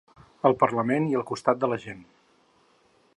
Al parlament i al costat de la gent.